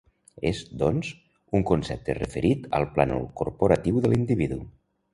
És, doncs, un concepte referit al plànol corporal de l’individu.